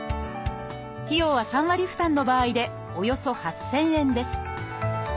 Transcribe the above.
費用は３割負担の場合でおよそ８，０００円です